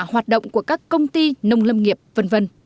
hoạt động của các công ty nông lâm nghiệp v v